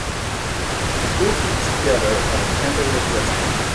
A group eats together at a candlelit restaurant.